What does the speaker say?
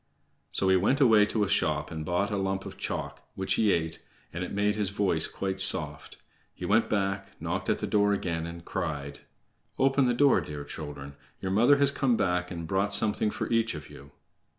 So he went away to a shop and bought a lump of chalk, which he ate, and it made his voice quite soft. He went back, knocked at the door again, and cried: "Open the door, dear children. Your mother has come back and brought something for each of you."